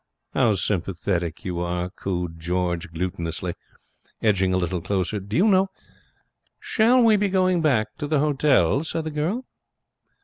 'How sympathetic you are!' cooed George, glutinously, edging a little closer. 'Do you know ' 'Shall we be going back to the hotel?' said the girl.